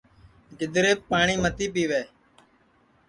گِدریپ پاٹؔی متی پِیوے